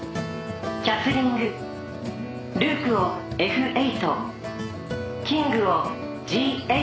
「キャスリング」「ルークをｆ８」「キングをｇ８へ」